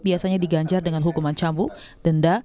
biasanya diganjar dengan hukuman cambuk denda